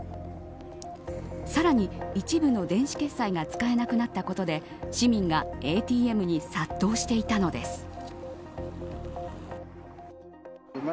さらに、一部の電子決済が使えなくなったことで市民がＡＴＭに殺到していたのです。